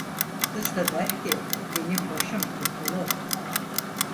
Kız da der ki benim başım tapulu.